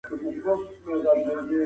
ښه ذهنیت غوسه نه جوړوي.